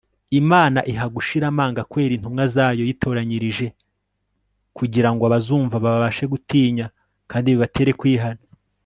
Imana iha gushira amanga kwera intumwa zayo yitoranyirije kugira ngo abazumva babashe gutinya kandi bibatere kwihana